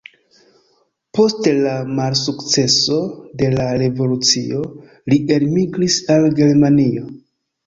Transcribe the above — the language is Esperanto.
Post la malsukceso de la revolucio li elmigris al Germanio.